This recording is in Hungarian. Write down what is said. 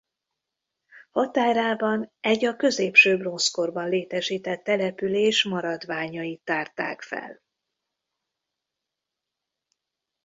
Határában egy a középső bronzkorban létesített település maradványait tárták fel.